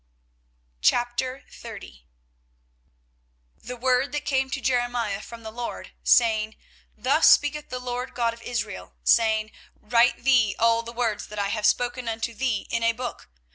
24:030:001 The word that came to Jeremiah from the LORD, saying, 24:030:002 Thus speaketh the LORD God of Israel, saying, Write thee all the words that I have spoken unto thee in a book.